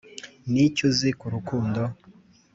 niki uzi ku rukundo?